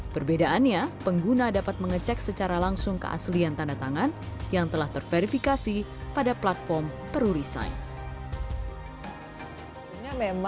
perbedaannya pengguna dapat mengecek secara langsung keaslian tanda tangan yang telah terverifikasi pada platform peru resign